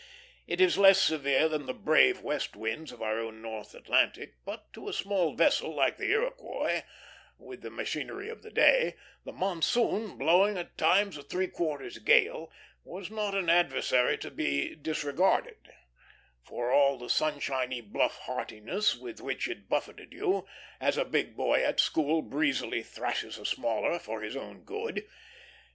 It is less severe than the "brave" west winds of our own North Atlantic; but to a small vessel like the Iroquois, with the machinery of the day, the monsoon, blowing at times a three quarters gale, was not an adversary to be disregarded, for all the sunshiny, bluff heartiness with which it buffeted you, as a big boy at school breezily thrashes a smaller for his own good.